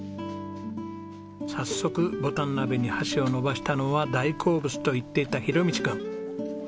早速ぼたん鍋に箸を伸ばしたのは大好物と言っていた大路君。